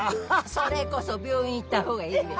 それこそ病院行った方がいいべ。